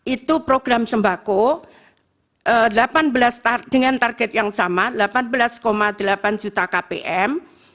itu program sembako dengan target yang sama delapan belas delapan juta kpm